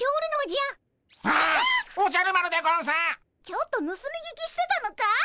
ちょっとぬすみ聞きしてたのかい？